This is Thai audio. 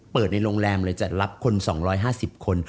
ในโรงแรมเลยจะรับคน๒๕๐คน